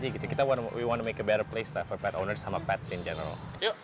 kita mau membuat tempat yang lebih baik untuk pet owners dan pet in general